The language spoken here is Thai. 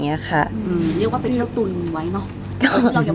เรียกว่าไปเที่ยวตุนไว้เนอะ